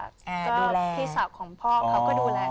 พี่สาวของพ่อก็ดูแล